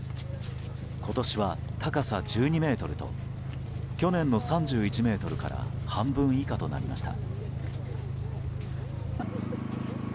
今年は高さ１２ｍと去年の３１ｍから半分以下となりました。